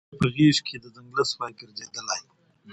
نه په غېږ کي د ځنګله سوای ګرځیدلای